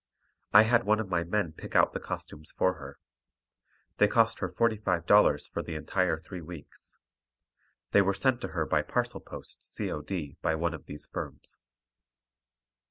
I had one of my men pick out the costumes for her. They cost her $45 for the entire three weeks. They were sent to her by parcel post C.O.D. by one of these firms.